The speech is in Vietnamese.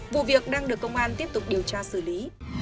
vụ việc đang được công an tiếp tục điều tra xử lý